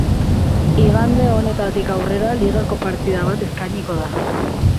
Igande honetatik aurrera ligako partida bat eskainiko da.